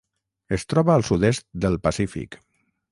Es troba al sud-est del Pacífic.